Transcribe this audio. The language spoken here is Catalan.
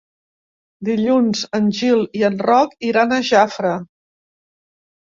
Dilluns en Gil i en Roc iran a Jafre.